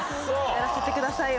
やらせてくださいよ